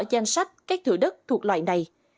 danh sách các thủ đất thuộc loại này